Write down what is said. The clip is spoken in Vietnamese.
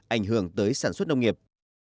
ảnh hưởng tới sản xuất nông nghiệp